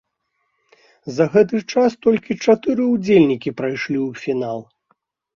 За гэты час толькі чатыры ўдзельнікі прайшлі ў фінал.